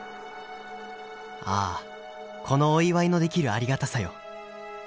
ああこのお祝いのできるありがたさよ。